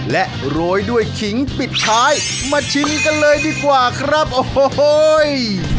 และโรยด้วยขิงปิดท้ายมาชิมกันเลยดีกว่าครับโอ้โห